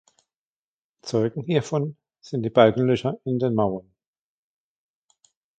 Zeugen hiervon sind die Balkenlöcher in den Mauern.